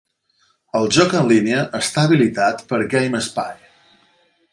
El joc en línia està habilitat per GameSpy.